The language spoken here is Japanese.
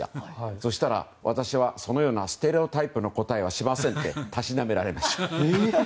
そうしたら、私はそのようなステレオタイプの答えはしませんってたしなめられました。